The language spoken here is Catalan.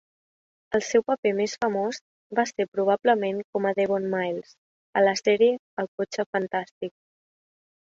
El seu paper més famós va ser probablement com a Devon Miles a la sèrie El cotxe fantàstic.